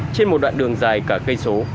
trên một đoạn đường dài cả cây số